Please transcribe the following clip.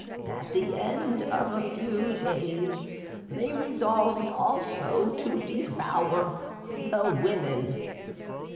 And at the end of a few days they resolved also to devour the women.